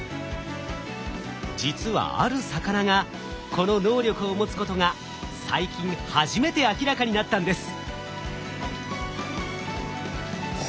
実はある魚がこの能力を持つことが最近初めて明らかになったんです。